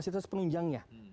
itu adalah fasilitas penunjangnya